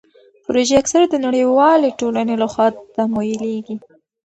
پروژې اکثر د نړیوالې ټولنې لخوا تمویلیږي.